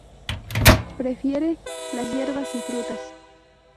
Prefiere las hierbas y frutas.